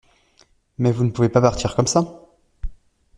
Mais vous ne pouvez pas partir comme ça!